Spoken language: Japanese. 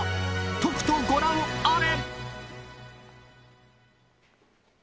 とくとご覧あれ！